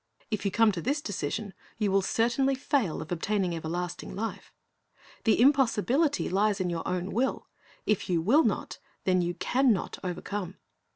If you come to this decision, you will certainly fail of obtaining everlasting life. The impossibility lies in your own will. If you will not, then you can not overcome.